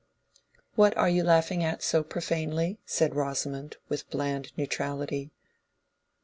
"What are you laughing at so profanely?" said Rosamond, with bland neutrality.